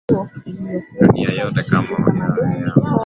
Dunia yote kama wewe Yahweh